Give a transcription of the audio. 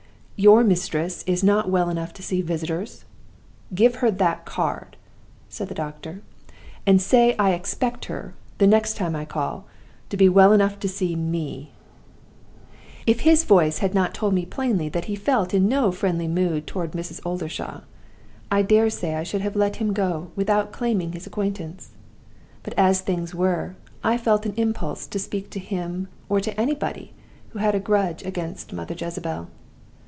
"'Your mistress is not well enough to see visitors? Give her that card,' said the doctor, 'and say I expect her, the next time I call, to be well enough to see me.' "If his voice had not told me plainly that he felt in no friendly mood toward Mrs. Oldershaw, I dare say I should have let him go without claiming his acquaintance; but, as things were, I felt an impulse to speak to him or to anybody who had a grudge against Mother Jezebel.